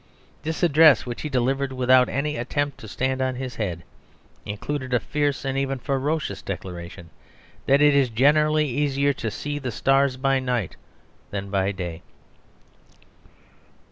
This address (which he delivered without any attempt to stand on his head) included a fierce and even ferocious declaration that it is generally easier to see the stars by night than by day."